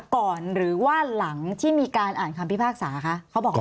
ก่อนหรือว่าหลังที่มีการอ่านคำพิพากษาคะเขาบอก